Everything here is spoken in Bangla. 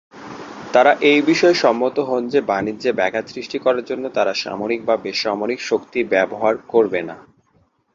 তারা এই বিষয়ে সম্মত হন যে বাণিজ্যে ব্যাঘাত সৃষ্টি করার জন্য তারা সামরিক বা বেসামরিক শক্তি ব্যবহার করবে না।